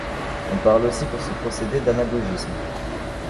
On parle aussi pour ce procédé d'anagogisme.